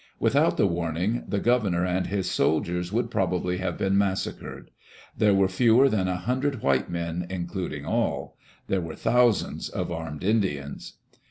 Without the warning, the Governor and his soldiers would probably have been mas sacred. There were fewer than a hundred white men, including all. There were thousands of armed Indians.